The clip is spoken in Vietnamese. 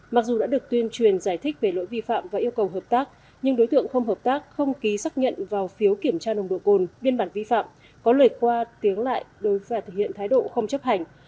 mặc dù đã được tuyên truyền giải thích về lỗi vi phạm và yêu cầu hợp tác nhưng đối tượng không hợp tác không ký xác nhận vào phiếu kiểm tra nồng độ cồn biên bản vi phạm có lời qua tiếng lại và thực hiện thái độ không chấp hành